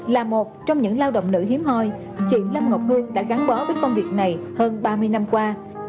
là một trong những lao động nữ hiếm hoi chị lâm ngọc hương đã gắn bó với công việc này hơn ba mươi năm qua